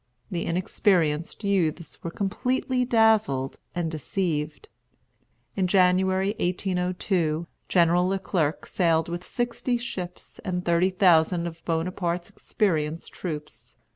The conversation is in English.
The inexperienced youths were completely dazzled and deceived. In January, 1802, General Le Clerc sailed with sixty ships and thirty thousand of Bonaparte's experienced troops.